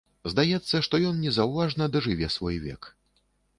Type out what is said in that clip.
Здаецца, што ён незаўважна дажыве свой век.